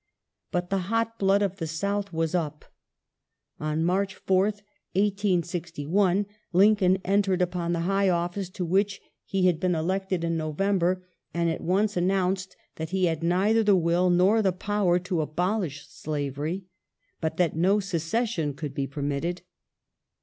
But the hot blood of the South was up. On March 4th, 1861, Lincoln entered upon the high office to which he had been elected in November, and at once announced that he had neither the will nor the power to abolish slavery, but that no " secession " could be permitted.